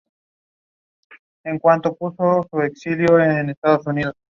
No deben confundirse con el macizo de Altái.